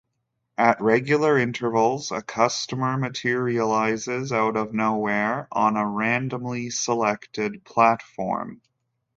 At regular intervals, a customer materializes out of nowhere, on a randomly selected platform.